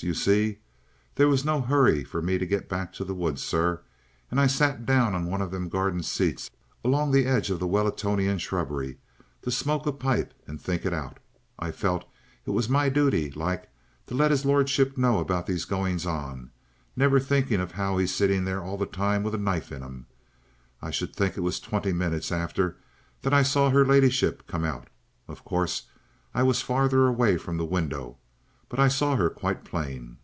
You see, there was no 'urry for me to go back to the woods, sir; an' I sat down on one of them garden seats along the edge of the Wellin'tonia shrubbery to smoke a pipe and think it ou'. I felt it was my dooty like to let 'is lordship know about these goings on, never thinking as 'ow 'e was sitting there all the time with a knife in 'im. I should think it was twenty minutes arter that I saw 'er ladyship come out. Of course, I was farther away from the window, but I saw 'er quite plain."